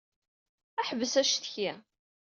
Ḥbes accetki.